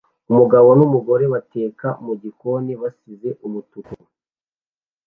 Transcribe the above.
umugabo numugore bateka mugikoni basize umutuku